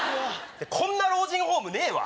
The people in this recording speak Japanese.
こんな老人ホームねえわ！